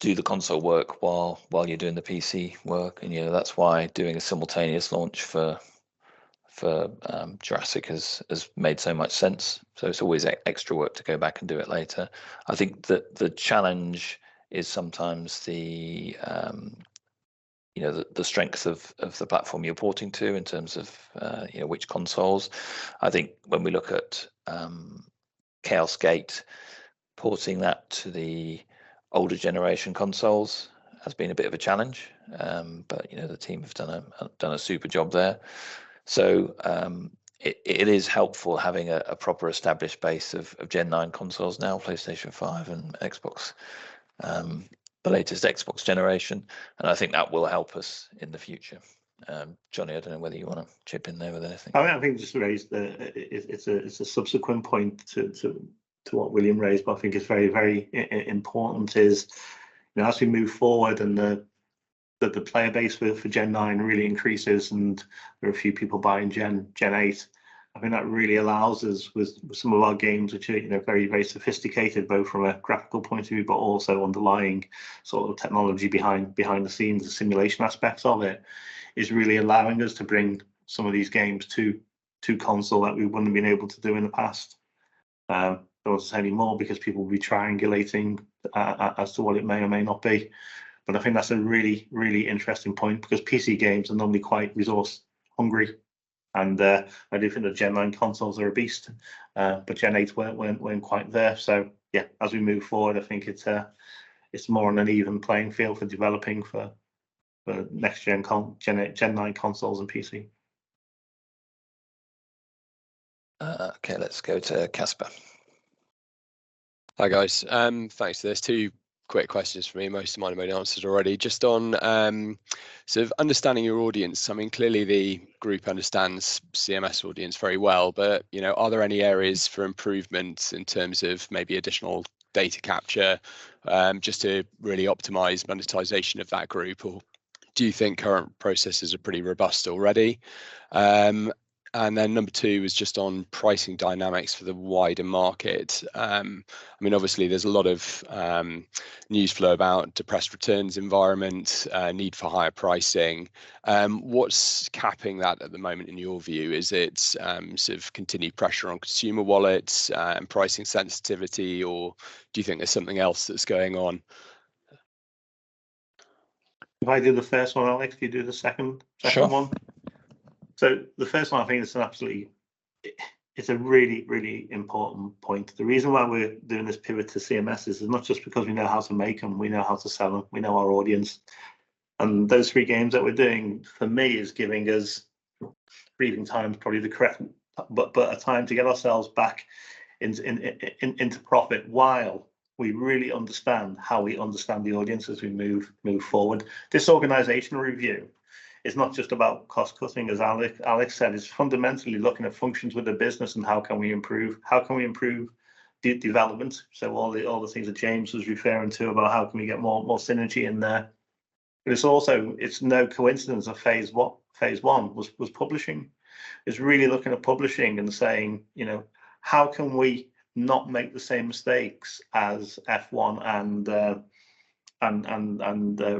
do the console work while you're doing the PC work, and, you know, that's why doing a simultaneous launch for Jurassic has made so much sense. So it's always extra work to go back and do it later. I think that the challenge is sometimes the, you know, the strengths of the platform you're porting to in terms of, you know, which consoles. I think when we look at Chaos Gate, porting that to the older generation consoles has been a bit of a challenge, but, you know, the team have done a super job there. So, it is helpful having a proper established base of Gen Nine consoles now, PlayStation 5 and Xbox, the latest Xbox generation, and I think that will help us in the future. Jonny, I don't know whether you wanna chip in there with anything? I think just to raise the It's a subsequent point to what William raised, but I think it's very, very important, you know, as we move forward and the player base for Gen Nine really increases and there are a few people buying Gen Eight, I mean, that really allows us with some of our games, which are, you know, very, very sophisticated, both from a graphical point of view, but also underlying sort of technology behind the scenes, the simulation aspects of it, is really allowing us to bring some of these games to console that we wouldn't have been able to do in the past. I won't say any more because people will be triangulating as to what it may or may not be, but I think that's a really, really interesting point, because PC games are normally quite resource hungry, and I do think the Gen Nine consoles are a beast. But Gen Eight weren't quite there. So yeah, as we move forward, I think it's more an even playing field for developing for next gen Gen Nine consoles and PC. Okay, let's go to Caspar. Hi, guys. Thanks. There's 2 quick questions for me. Most of mine have been answered already. Just on, sort of understanding your audience. I mean, clearly, the group understands CMS audience very well, but, you know, are there any areas for improvement in terms of maybe additional data capture, just to really optimize monetization of that group? Or do you think current processes are pretty robust already? And then number 2 is just on pricing dynamics for the wider market. I mean, obviously, there's a lot of, news flow about depressed returns environment, need for higher pricing. What's capping that at the moment, in your view? Is it, sort of continued pressure on consumer wallets, and pricing sensitivity, or do you think there's something else that's going on? If I do the first one, Alex, if you do the second, second one? Sure. So the first one, I think it's an absolutely, it's a really, really important point. The reason why we're doing this pivot to CMS is not just because we know how to make them, we know how to sell them, we know our audience. And those three games that we're doing, for me, is giving us breathing time, probably the correct. But a time to get ourselves back into profit while we really understand how we understand the audience as we move forward. This organizational review is not just about cost cutting, as Alex said, it's fundamentally looking at functions with the business and how can we improve development? So all the things that James was referring to about how can we get more synergy in there. But it's also, it's no coincidence that phase one was publishing. It's really looking at publishing and saying, you know, "How can we not make the same mistakes as F1 and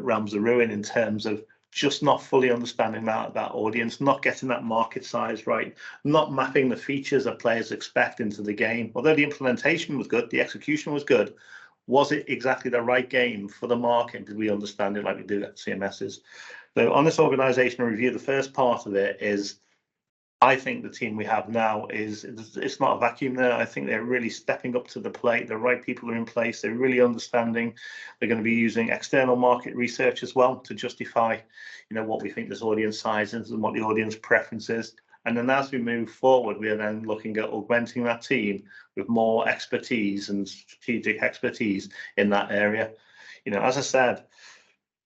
Realms of Ruin?" In terms of just not fully understanding that audience, not getting that market size right, not mapping the features that players expect into the game. Although the implementation was good, the execution was good, was it exactly the right game for the market? Did we understand it like we do at CMS's? So on this organizational review, the first part of it is, I think the team we have now is. It's not a vacuum there. I think they're really stepping up to the plate. The right people are in place. They're really understanding. They're gonna be using external market research as well to justify, you know, what we think this audience size is and what the audience preference is. And then as we move forward, we are then looking at augmenting that team with more expertise and strategic expertise in that area. You know, as I said,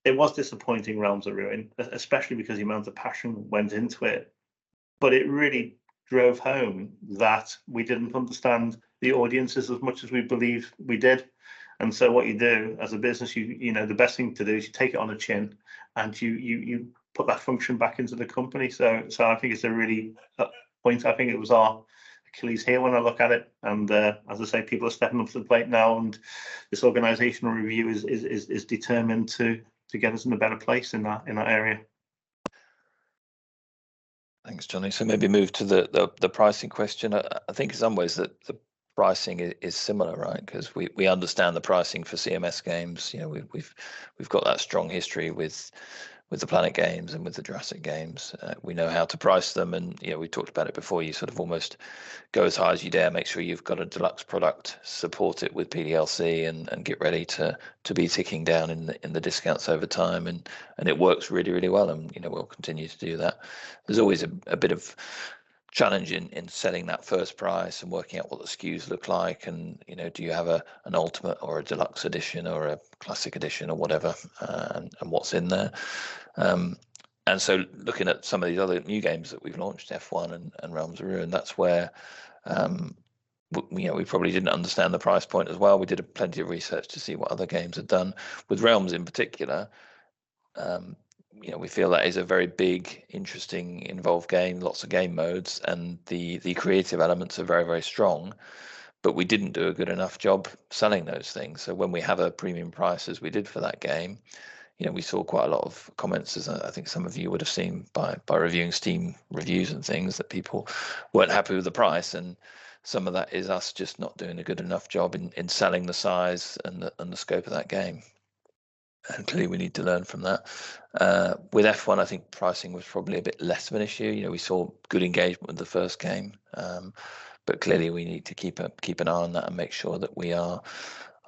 it was disappointing, Realms of Ruin, especially because the amount of passion went into it, but it really drove home that we didn't understand the audiences as much as we believed we did. And so what you do as a business, you know, the best thing to do is you take it on the chin, and you put that function back into the company. So I think it's a really point. I think it was our Achilles heel when I look at it, and as I say, people are stepping up to the plate now, and this organizational review is determined to get us in a better place in that area. Thanks, Jonny. So maybe move to the pricing question. I think in some ways, the pricing is similar, right? 'Cause we understand the pricing for CMS games. You know, we've got that strong history with the Planet Games and with the Jurassic Games. We know how to price them and, you know, we talked about it before, you sort of almost go as high as you dare, make sure you've got a deluxe product, support it with PDLC and get ready to be ticking down in the discounts over time. And it works really, really well, and, you know, we'll continue to do that. There's always a bit of challenge in selling that first price and working out what the SKUs look like and, you know, do you have an ultimate or a deluxe edition or a classic edition or whatever, and what's in there. And so looking at some of the other new games that we've launched, F1 and Realms of Ruin, that's where we, yeah, we probably didn't understand the price point as well. We did plenty of research to see what other games had done. With Realms in particular, you know, we feel that is a very big, interesting, involved game, lots of game modes, and the creative elements are very, very strong. But we didn't do a good enough job selling those things, so when we have a premium price, as we did for that game, you know, we saw quite a lot of comments, as I, I think some of you would have seen by, by reviewing Steam reviews and things, that people weren't happy with the price. And some of that is us just not doing a good enough job in, in selling the size and the, and the scope of that game. And clearly, we need to learn from that. With F1, I think pricing was probably a bit less of an issue. You know, we saw good engagement with the first game. But clearly we need to keep a, keep an eye on that and make sure that we are,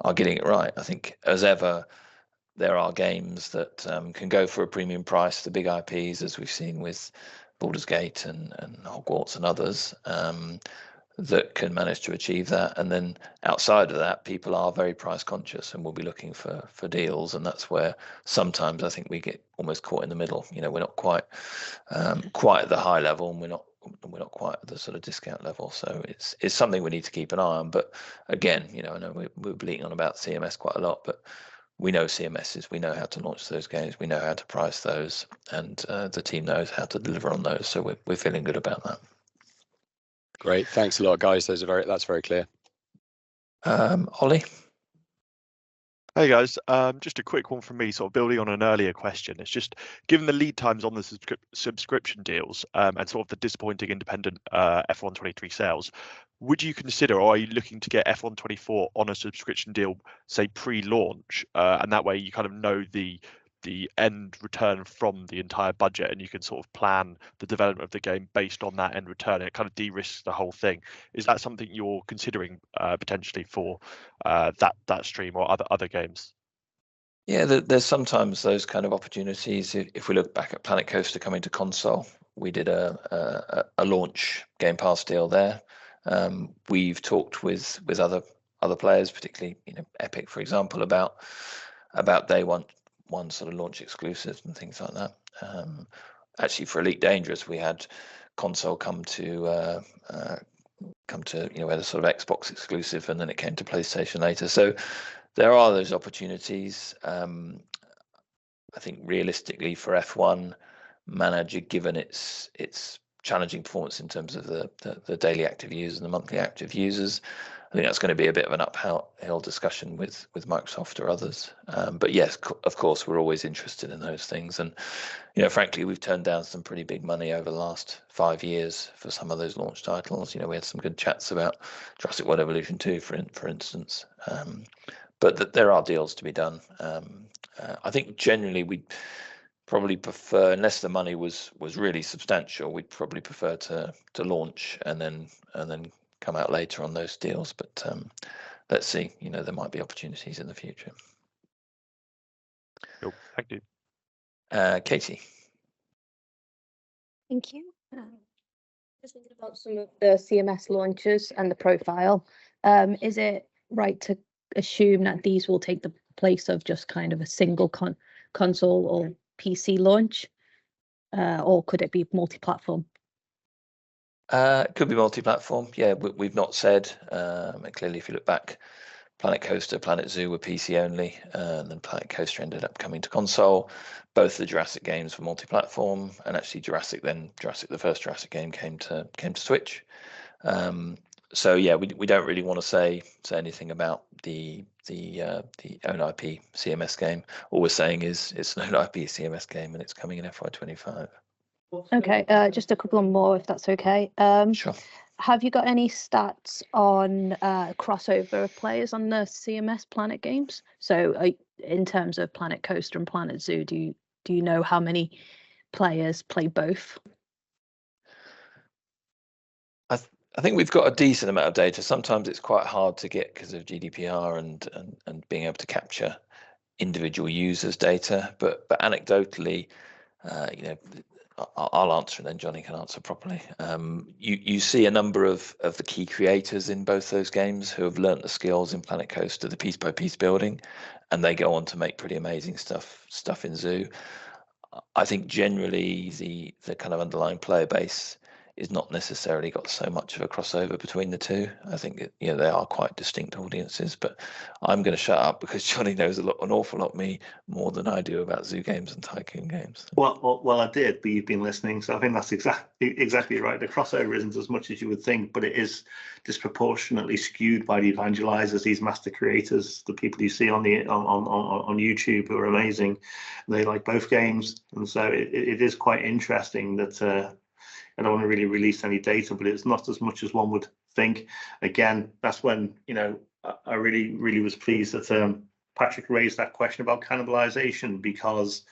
are getting it right. I think, as ever, there are games that can go for a premium price, the big IPs, as we've seen with Baldur's Gate and Hogwarts and others, that can manage to achieve that. Then outside of that, people are very price-conscious and will be looking for deals, and that's where sometimes I think we get almost caught in the middle. You know, we're not quite at the high level, and we're not quite at the sort of discount level, so it's something we need to keep an eye on. But again, you know, I know we're bleating on about CMS quite a lot, but we know CMSs. We know how to launch those games, we know how to price those, and the team knows how to deliver on those, so we're feeling good about that. Great. Thanks a lot, guys. Those are very that's very clear. Um, Ollie? Hey, guys. Just a quick one from me, sort of building on an earlier question. It's just, given the lead times on the subscription deals, and sort of the disappointing independent F1 23 sales, would you consider, are you looking to get F1 24 on a subscription deal, say, pre-launch? And that way you kind of know the end return from the entire budget, and you can sort of plan the development of the game based on that end return, and it kind of de-risks the whole thing. Is that something you're considering, potentially for that stream or other games? Yeah, there's sometimes those kind of opportunities. If we look back at Planet Coaster coming to console, we did a launch Game Pass deal there. We've talked with other players, particularly, you know, Epic, for example, about they want sort of launch exclusives and things like that. Actually, for Elite Dangerous, we had console come to, you know, we had a sort of Xbox exclusive, and then it came to PlayStation later. So there are those opportunities. I think realistically for F1 Manager, given its challenging performance in terms of the daily active users and the monthly active users, I think that's gonna be a bit of an uphill discussion with Microsoft or others. But yes, of course, we're always interested in those things and, you know, frankly, we've turned down some pretty big money over the last 5 years for some of those launch titles. You know, we had some good chats about Jurassic World Evolution 2, for instance. But there are deals to be done. I think generally we'd probably prefer, unless the money was really substantial, we'd probably prefer to launch and then come out later on those deals. But let's see, you know, there might be opportunities in the future. Cool. Thank you. Uh, Katie? Thank you. Just thinking about some of the CMS launches and the profile, is it right to assume that these will take the place of just kind of a single console or PC launch? Or could it be multi-platform? Could be multi-platform. Yeah, we've not said. Clearly, if you look back, Planet Coaster, Planet Zoo were PC only, then Planet Coaster ended up coming to console. Both the Jurassic games were multi-platform, and actually Jurassic then Jurassic, the first Jurassic game came to Switch. So yeah, we don't really want to say anything about the own IP CMS game. All we're saying is, it's an own IP CMS game, and it's coming in FY 2025. Okay, just a couple more, if that's okay. Sure. Have you got any stats on crossover of players on the CMS Planet games? So, in terms of Planet Coaster and Planet Zoo, do you, do you know how many players play both? I think we've got a decent amount of data. Sometimes it's quite hard to get because of GDPR and being able to capture individual users' data, but anecdotally, you know I'll answer it, then Jonny can answer properly. You see a number of the key creators in both those games who have learned the skills in Planet Coaster, the piece-by-piece building, and they go on to make pretty amazing stuff, stuff in Zoo. I think generally, the kind of underlying player base has not necessarily got so much of a crossover between the two. I think, you know, they are quite distinct audiences. But I'm gonna shut up because Jonny knows an awful lot more than I do about zoo games and tycoon games. Well, well, well, I did, but you've been listening, so I think that's exactly right. The crossover isn't as much as you would think, but it is disproportionately skewed by the evangelizers, these master creators, the people you see on YouTube who are amazing. They like both games, and so it is quite interesting that I don't want to really release any data, but it's not as much as one would think. Again, that's when, you know, I really, really was pleased that Patrick raised that question about cannibalization, because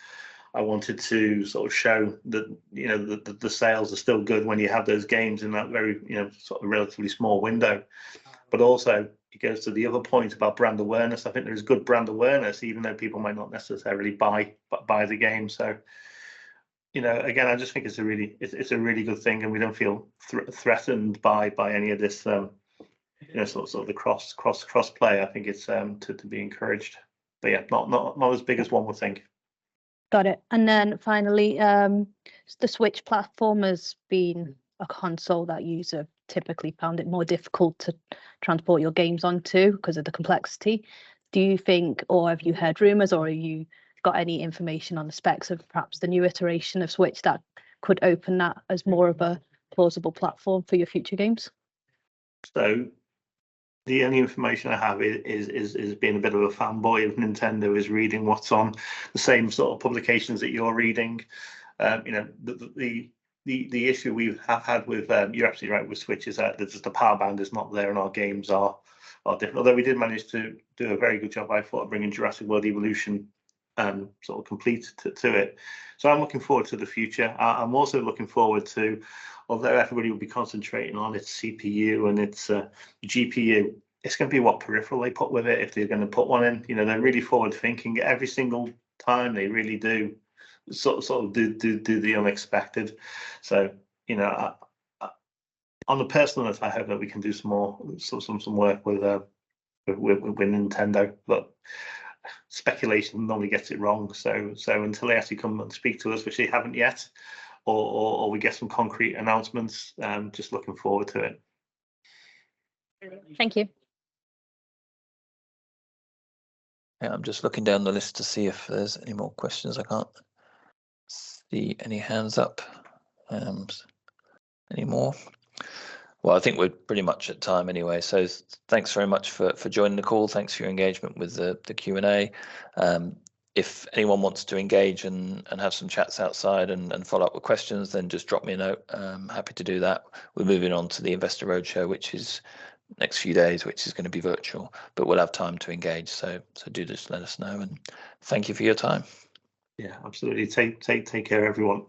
I wanted to sort of show that, you know, the sales are still good when you have those games in that very, you know, sort of relatively small window. But also, it goes to the other point about brand awareness. I think there's good brand awareness, even though people might not necessarily buy the game. So, you know, again, I just think it's a really, it's a really good thing, and we don't feel threatened by any of this, you know, sort of the cross-play. I think it's to be encouraged, but yeah, not as big as one would think. Got it. Finally, the Switch platform has been a console that user typically found it more difficult to transport your games onto, 'cause of the complexity. Do you think, or have you heard rumors, or have you got any information on the specs of perhaps the new iteration of Switch that could open that as more of a plausible platform for your future games? So the only information I have is being a bit of a fanboy of Nintendo, is reading what's on the same sort of publications that you're reading. You know, the issue we've had with, you're absolutely right, with Switch, is that the power band is not there, and our games are different. Although we did manage to do a very good job, I thought, of bringing Jurassic World Evolution, sort of complete to it. So I'm looking forward to the future. I'm also looking forward to Although everybody will be concentrating on its CPU and its GPU, it's gonna be what peripheral they put with it, if they're gonna put one in. You know, they're really forward-thinking. Every single time, they really do sort of do the unexpected. So, you know, on a personal note, I hope that we can do some more work with Nintendo. But speculation normally gets it wrong, so until they actually come and speak to us, which they haven't yet, or we get some concrete announcements, just looking forward to it. Thank you. Yeah, I'm just looking down the list to see if there's any more questions. I can't see any hands up anymore. Well, I think we're pretty much at time anyway. So thanks very much for joining the call. Thanks for your engagement with the Q&A. If anyone wants to engage and have some chats outside and follow up with questions, then just drop me a note. I'm happy to do that. We're moving on to the investor roadshow, which is next few days, which is gonna be virtual, but we'll have time to engage. So do just let us know, and thank you for your time. Yeah, absolutely. Take care, everyone.